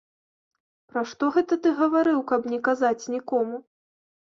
Пра што гэта ты гаварыў, каб не казаць нікому?